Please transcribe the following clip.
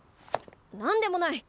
何でもない！